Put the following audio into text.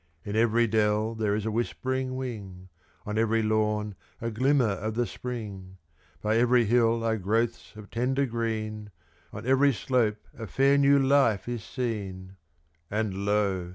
In every dell there is a whispering wing, On every lawn a glimmer of the Spring; By every hill are growths of tender green On every slope a fair, new life is seen; And lo!